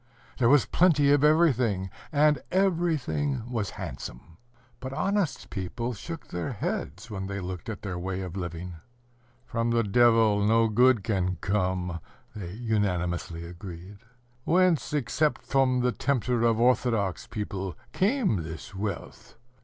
There was plenty of everything, and everything was handsome. ... But honest people shook their heads when they looked at their way of living. "From the Devil no good can come," they unanimously agreed. "Whence, except from the tempter of orthodox people, came this wealth?